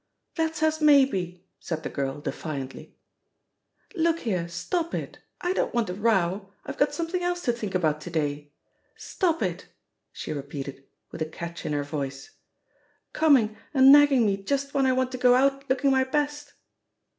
"That's as may be," said the girl defiantly, Look here, stop it! I don't want a row, I've got something else to think about to day. Stop it," she repeated, with a catch in her voice, "com ing and nagging me just when I want to go out looking my best!"